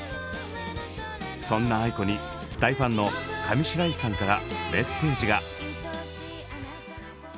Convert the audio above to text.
そんなａｉｋｏに大ファンの上白石さんからメッセージが。